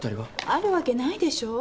あるわけないでしょ。